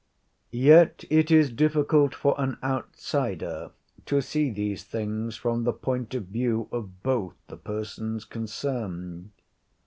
Yet it is difficult for an outsider to see these things from the point of view of both the persons concerned.